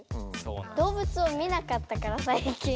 動物を見なかったからさいきん。